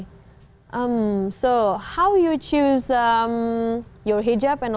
jadi bagaimana anda memilih hijab anda dan juga pakaian anda